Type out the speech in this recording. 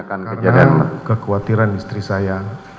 karena kekhawatiran istri saya